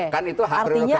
kan itu hak relegatinya